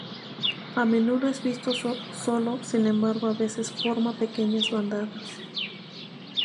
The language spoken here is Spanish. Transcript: A menudo es visto solo sin embargo a veces forma pequeñas bandadas.